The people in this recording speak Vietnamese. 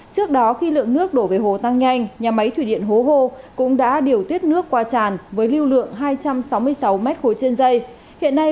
trước đó khi lượng nước đổ về hồ tăng nhanh nhà máy thủy điện hố hô cũng đã điều tiết nước qua tràn với lưu lượng hai trăm sáu mươi sáu m ba trên dây